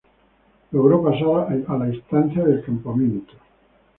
Logró pasar a la instancia del campamento.